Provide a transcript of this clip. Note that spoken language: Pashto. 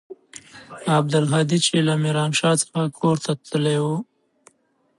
عبدالهادي چې له ميرانشاه څخه کور ته تللى و.